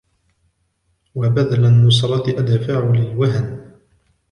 وَبَذْلَ النُّصْرَةِ أَدْفَعُ لِلْوَهَنِ